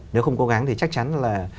nếu không cố gắng thì chắc chắn là